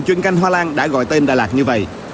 chuyên canh hoa lan đã gọi tên đà lạt như vậy